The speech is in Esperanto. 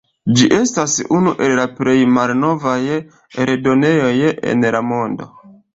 Ĝi estas unu el la plej malnovaj eldonejoj en la mondo.